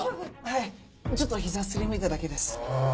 はいちょっと膝擦りむいただけです。